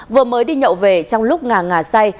vừa mới đi nhậu về trong lúc ngà ngà say